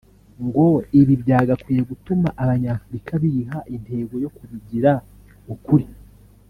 ngo ibi byagakwiye gutuma Abanyafurika biha intego yo kubigira ukuri